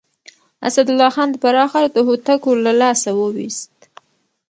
اسدالله خان د فراه ښار د هوتکو له لاسه وويست.